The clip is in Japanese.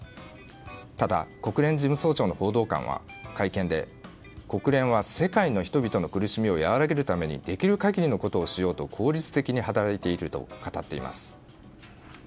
ただ国連事務総長の報道官は会見で国連は世界の人々の苦しみを和らげるためにできる限りのことをしようと効率的に働いていると語っています。